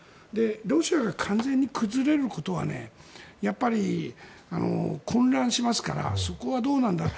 ロシアが完全に崩れることはやっぱり混乱しますからそこはどうなんだろう。